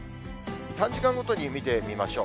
３時間ごとに見てみましょう。